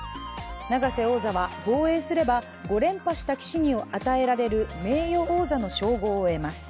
永瀬王座は、防衛すれば５連覇した棋士に与えられる名誉王座の称号を得ます。